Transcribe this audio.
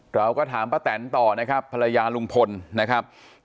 เราก็ถามป้าแตนต่อนะครับภรรยาลุงพลนะครับ